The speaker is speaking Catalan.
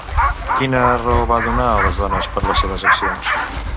Quina raó van donar a les dones per les seves accions?